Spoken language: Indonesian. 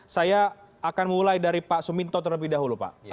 saya akan mulai dari pak suminto terlebih dahulu pak